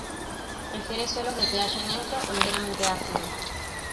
Prefiere suelos de pH neutro o ligeramente ácido.